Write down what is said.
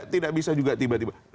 tidak bisa juga tiba tiba